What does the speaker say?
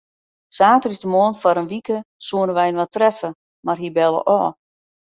Saterdeitemoarn foar in wike soene wy inoar treffe, mar hy belle ôf.